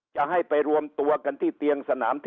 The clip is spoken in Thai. จะให้ไปรวมตัวกันที่เตียงสนามที่